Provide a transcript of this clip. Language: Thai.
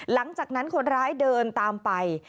หลังจากนั้นคนร้ายเดินตามไป